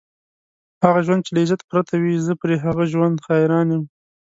هغه ژوند چې له عزت پرته وي، زه پر هغه ژوند حیران یم.